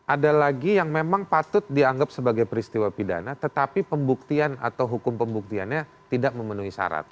ada lagi yang memang patut dianggap sebagai peristiwa pidana tetapi pembuktian atau hukum pembuktiannya tidak memenuhi syarat